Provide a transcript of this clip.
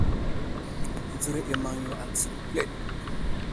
Dzəro i maŋ yo a tsəŋ kuleɗ.